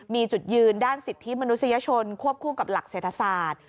มีจุดยืนด้านสิทธิมนุษยชนควบคู่กับหลักเศรษฐศาสตร์